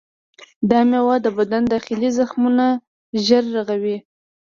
دا میوه د بدن داخلي زخمونه ژر رغوي.